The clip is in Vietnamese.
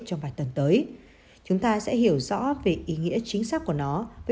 trong vài tuần tới chúng ta sẽ hiểu rõ về ý nghĩa chính xác của nó với